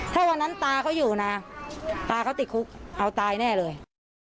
ถ้าวันนั้นตาเขาอยู่นะตาเขาติดคุกเอาตายแน่เลย